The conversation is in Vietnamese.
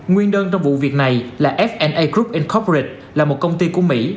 nguyên đơn trong vụ việc này là f a group incorporated là một công ty của mỹ